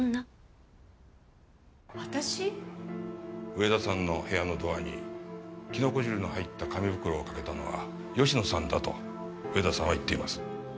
植田さんの部屋のドアにキノコ汁の入った紙袋をかけたのは吉野さんだと植田さんは言っています。